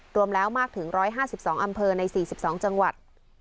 รวมแล้วมากถึง๑๕๒อำเภอใน๔๒จังหวัด